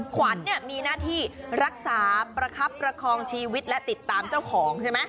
ขวัญเนี่ยมีหน้าที่รักษาประคับประคองชีวิตและติดตามเจ้าของใช่ไหม